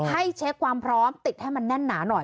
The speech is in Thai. ให้เช็คความพร้อมติดให้มันแน่นหนาหน่อย